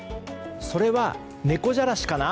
それは猫じゃらしかな？